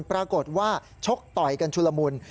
ปรากฏว่าชกต่อยกันชุลมุน